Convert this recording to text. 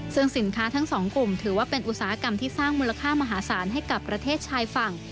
ซึ่งสินค้าทั้งสองกลุ่มถือว่าเป็นอุตสาหกรรมที่สร้างมูลค่ามหาศาลให้กับประเทศชายฝั่ง